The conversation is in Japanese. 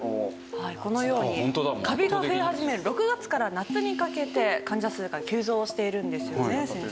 はいこのようにカビが増え始める６月から夏にかけて患者数が急増しているんですよね先生。